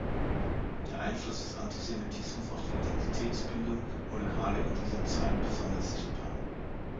Der Einfluss des Antisemitismus auf die Identitätsbildung wurde gerade in dieser Zeit besonders sichtbar.